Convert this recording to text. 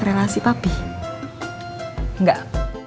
relasi papi enggak